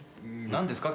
何ですか？